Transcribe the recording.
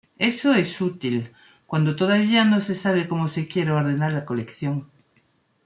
Eso es útil, cuando todavía no se sabe cómo se quiere ordenar la colección.